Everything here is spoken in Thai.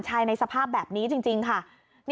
ป้าของน้องธันวาผู้ชมข่าวอ่อน